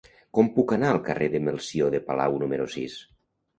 Com puc anar al carrer de Melcior de Palau número sis?